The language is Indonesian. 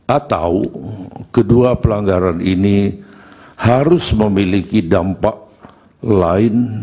atau kedua pelanggaran ini harus memiliki dampak lain